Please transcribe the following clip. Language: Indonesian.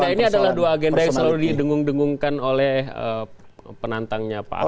nah ini adalah dua agenda yang selalu didengung dengungkan oleh penantangnya pak ahok